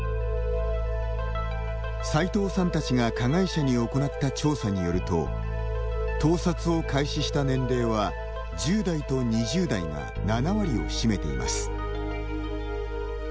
斉藤さんたちが加害者に行った調査によると盗撮を開始した年齢は、１０代と２０代が７割を占めています。